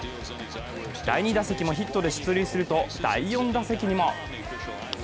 第２打席もヒットで出塁すると、第４打席にも。